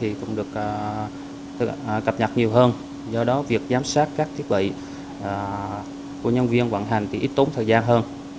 thì cũng được cập nhật nhiều hơn do đó việc giám sát các thiết bị của nhân viên vận hành thì ít tốn thời gian hơn